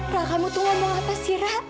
ra kamu tunggu ngomong apa sih ra